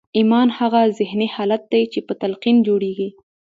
ایمان هغه ذهني حالت دی چې په تلقین جوړېږي